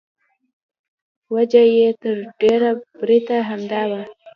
وجه یې تر ډېره بریده همدا وه.